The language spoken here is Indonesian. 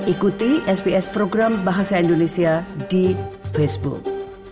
ikuti sps program bahasa indonesia di facebook